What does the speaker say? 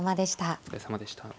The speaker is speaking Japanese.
お疲れさまでした。